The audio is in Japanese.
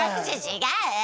違う！